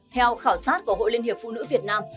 theo khảo sát của hội liên hiệp phụ nữ việt nam